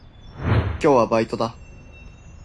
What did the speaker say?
今日はバイトだ。